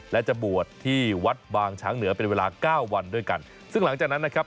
และจะบวชที่วัดบางช้างเหนือเป็นเวลาเก้าวันด้วยกันซึ่งหลังจากนั้นนะครับ